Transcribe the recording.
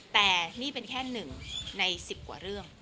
แต่นี่เป็นแค่หนึ่งในสิบกว่าเรื่อง